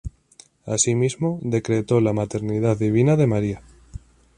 Asimismo decretó la maternidad divina de María.